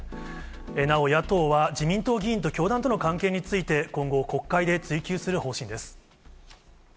なお、野党は自民党議員と教団との関係について、今後、国会で追及する方針です。